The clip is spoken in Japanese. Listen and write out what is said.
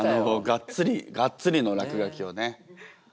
がっつりがっつりの落書きをね。